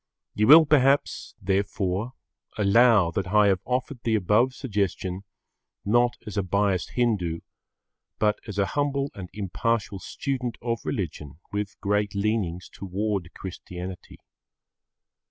You will perhaps, therefore, allow that I have offered the above suggestion not as a biased Hindu, but as a humble and impartial student of religion with great leanings towards Christianity.